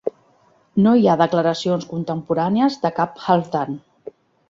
No hi ha declaracions contemporànies de cap Halfdan.